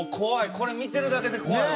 これ見てるだけで怖いわ。